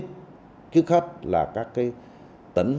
trước hết là các tỉnh